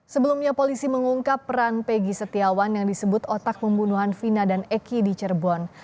sebelumnya polisi mengungkap peran pegi setiawan yang disebut otak pembunuhan vina dan eki di cirebon